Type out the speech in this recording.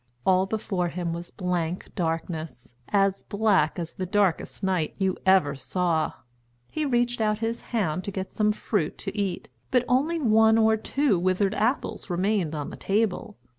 All before him was blank darkness, as black as the darkest night you ever saw. He reached out his hand to get some fruit to eat, but only one or two withered apples remained on the table.